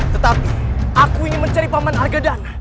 tetapi aku ingin mencari paman argedan